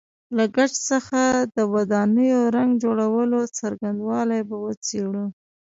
له ګچ څخه د ودانیو رنګ جوړولو څرنګوالی به وڅېړو.